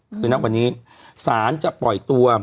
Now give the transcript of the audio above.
คือณวันนี้ศาลจะปล่อยตัว